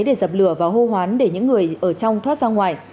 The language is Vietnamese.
để dập lửa và hô hoán để những người ở trong thoát ra ngoài